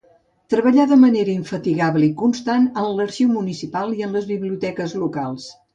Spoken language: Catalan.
Treballà de manera infatigable i constant en l'Arxiu Municipal i en les biblioteques locals.